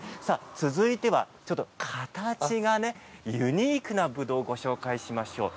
続いては形がユニークなぶどうをご紹介しましょう。